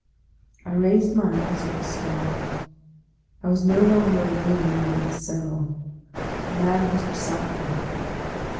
I raised my eyes with a start. I was no longer alone in the cell ; a man was beside me.